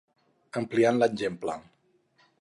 Ampliant l'exemple.